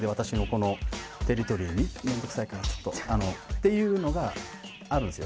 ていうのがあるんすよ。